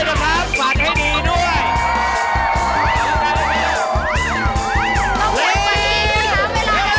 ให้ดีด้วยนะครับสัตว์ให้ดีด้วย